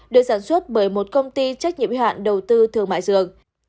được sản xuất bởi một công ty trách nhiệm hạn đầu tư thương mại dược